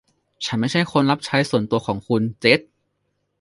ฉันไม่ใช่คนรับใช้ส่วนตัวของคุณเจค